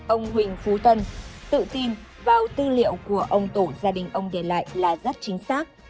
ông huỳnh phú tân tự tin vào tư liệu của ông tổ gia đình ông để lại là rất chính xác